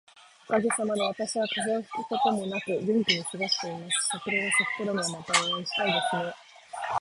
おかげさまで、私は風邪をひくこともなく元気に過ごしています。桜が咲くころには、またお会いしたいですね。